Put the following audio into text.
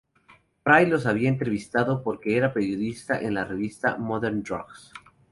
Fry los había entrevistado, porque era periodista en la revista "Modern Drugs".